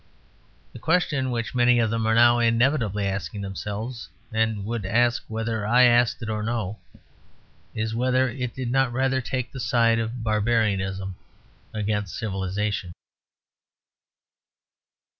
The question which many of them are now inevitably asking themselves, and would ask whether I asked it or no, is whether it did not rather take the side of barbarism against civilization.